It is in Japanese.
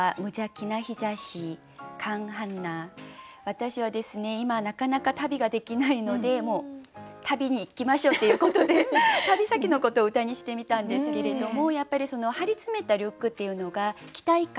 私はですね今なかなか旅ができないのでもう旅に行きましょうっていうことで旅先のことを歌にしてみたんですけれどもやっぱり「張り詰めたリュック」っていうのが期待感